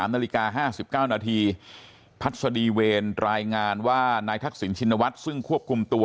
นาฬิกา๕๙นาทีพัศดีเวรรายงานว่านายทักษิณชินวัฒน์ซึ่งควบคุมตัว